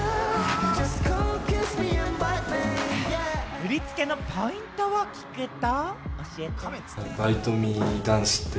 振り付けのポイントを聞くと。